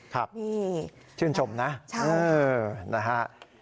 ครับนี่ชื่นชมนะนะฮะ